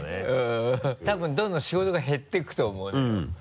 多分どんどん仕事が減っていくと思うのよ。